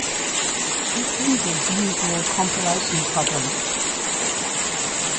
It eases usual compilation problems.